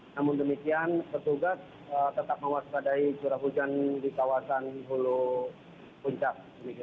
namun demikian petugas tetap mewaspadai curah hujan di kawasan hulu puncak